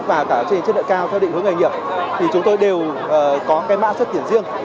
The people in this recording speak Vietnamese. và cả trình chế độ cao theo định hướng ngành nghiệp thì chúng tôi đều có cái mạng xét tuyển riêng